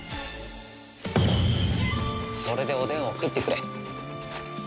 それでおでんを食ってくれ。